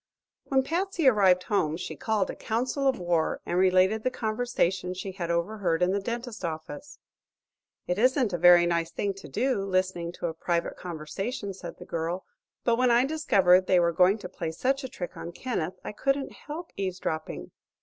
When Patsy arrived home she called a council of war and related the conversation she had overheard in the dentist's office. "It isn't a very nice thing to do listening to a private conversation," said the girl, "but when I discovered they were going to play such a trick on Kenneth I couldn't help eavesdropping."